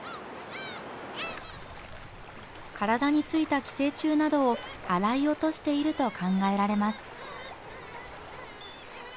体についた寄生虫などを洗い落としていると考えられます。